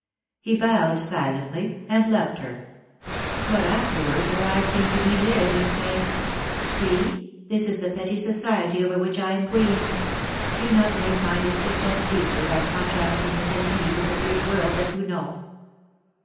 He bowed silently, and left her. But afterwards her eyes seemed to meet his and to say :* See, this is the petty society over which I am queen. Do not make my discontent deeper by contrasting it and me with the great world that you know.